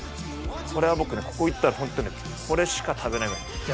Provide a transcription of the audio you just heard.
これは僕ねここ行ったらホントにこれしか食べないぐらい。